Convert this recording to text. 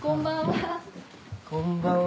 こんばんは。